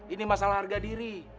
ini masalah harga diri